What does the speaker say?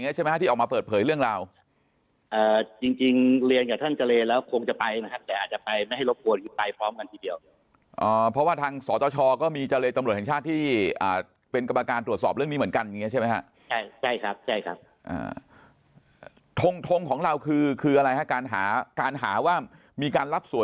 อย่างงี้ใช่ไหมที่ออกมาเปิดเผยเรื่องราว